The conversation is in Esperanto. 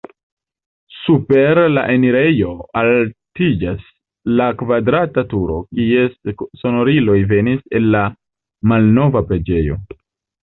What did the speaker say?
Super la enirejo altiĝas la kvadrata turo, kies sonoriloj venis el la malnova preĝejo.